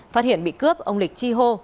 phát hiện bị cướp ông lịch chi hô